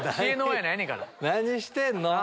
何してんの？